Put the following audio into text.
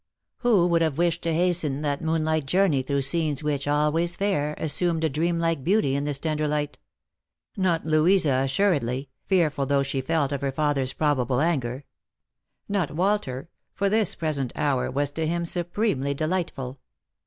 Who would have wished to hasten that moonlight journey : through scenes which, always fair, assumed a dream like beauty in this tender light ? Not Louisa assuredly, fearful though she felt of her father's probable anger. Not Walter, for this present hour was to him supremely delightful.